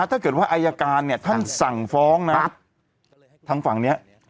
ถ้าเกิดว่าอายการเนี่ยท่านสั่งฟ้องนะทางฝั่งนี้